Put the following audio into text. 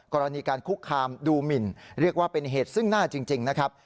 กรณีการคุกคามดูหมินเรียกว่าเป็นเหตุซึ่งหน้าจริงนะครับ